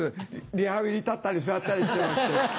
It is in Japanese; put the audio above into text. リハビリ立ったり座ったりしてまして。